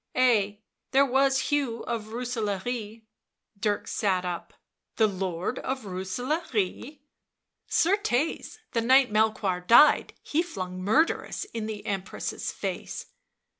"Ay, there was Hugh of Rooselaare." Dirk sat up. " The Lord of Rooselaare V " Certes, the night Melchoir died he flung * Murderess V in the Empress's face."